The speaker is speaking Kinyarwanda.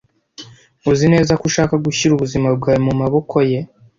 Uzi neza ko ushaka gushyira ubuzima bwawe mumaboko ye?